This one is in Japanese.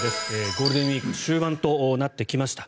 ゴールデンウィーク終盤となってきました。